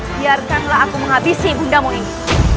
biarkanlah aku menghabisi ibu ndaku ini